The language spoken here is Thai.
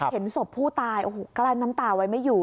เห็นศพผู้ตายก็ล่านน้ำตาวไว้ไม่อยู่